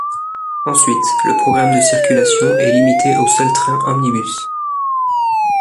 Ensuite, le programme de circulations est limité aux seuls trains omnibus.